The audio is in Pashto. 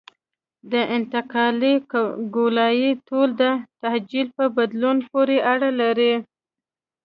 د انتقالي ګولایي طول د تعجیل په بدلون پورې اړه لري